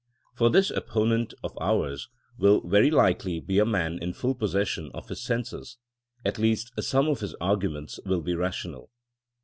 For this opponent of ours will very likely be a man in full possession of his senses ; at least some of his arguments will be rational.